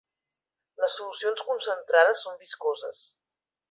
Les solucions concentrades són viscoses.